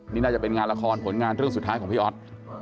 นี่น่าจะเป็นงานละครผลงานเรื่องสุดท้ายของพี่ออส